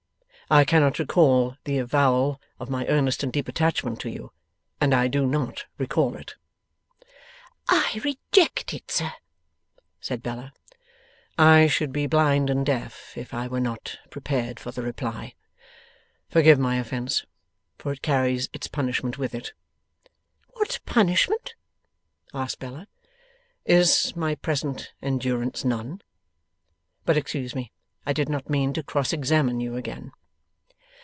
I cannot recall the avowal of my earnest and deep attachment to you, and I do not recall it.' 'I reject it, sir,' said Bella. 'I should be blind and deaf if I were not prepared for the reply. Forgive my offence, for it carries its punishment with it.' 'What punishment?' asked Bella. 'Is my present endurance none? But excuse me; I did not mean to cross examine you again.